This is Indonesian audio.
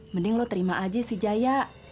mending lo terima aja si jaya